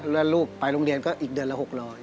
แล้วลูกไปโรงเรียนก็อีกเดือนละ๖๐๐